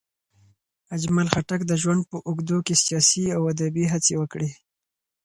اجمل خټک د ژوند په اوږدو کې سیاسي او ادبي هڅې وکړې.